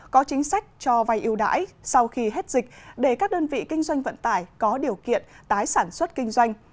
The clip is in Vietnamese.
có chính sách cho vay yêu đãi sau khi hết dịch để các đơn vị kinh doanh vận tải có điều kiện tái sản xuất kinh doanh